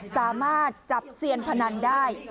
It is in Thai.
สามารถจับเซียนพนันได้